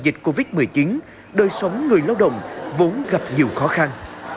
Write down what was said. trong thời gian dài ảnh hưởng của đại dịch covid một mươi chín đời sống người lao động vốn gặp nhiều khó khăn